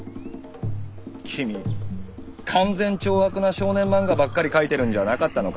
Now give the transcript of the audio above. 君勧善懲悪な少年漫画ばっかり描いてるんじゃあなかったのか。